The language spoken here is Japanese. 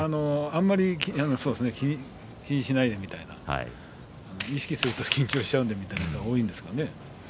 あんまり気にしないでみたいな意識すると緊張しちゃうんでみたいなことが多いんですけどね。